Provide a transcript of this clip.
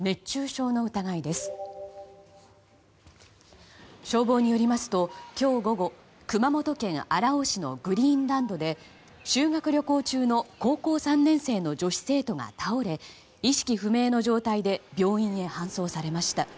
消防によりますと今日午後、熊本県荒尾市のグリーンランドで修学旅行中の高校３年生の女子生徒が倒れ意識不明の状態で病院へ搬送されました。